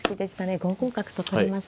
５五角と取りました。